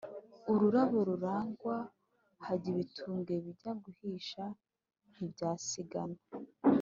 Ururabo ruragwa hajya ibitumbwe, Bijya guhisha ntibyasigana